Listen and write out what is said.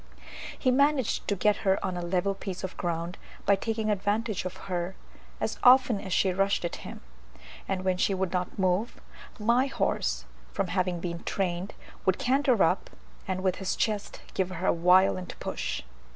He managed to get her on a level piece of ground, by taking advantage of her as often as she rushed at him; and when she would not move, my horse, from having been trained, would canter up, and with his chest give her a violent push.